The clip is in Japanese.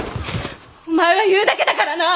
お前は言うだけだからな！